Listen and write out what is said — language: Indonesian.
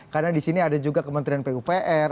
karena di sini ada juga kementerian pupr